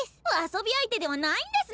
遊び相手ではないんですの！